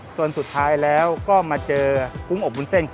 จนสุดท้ายแล้วก็มาเจอกุ้งอบวุ้นเส้น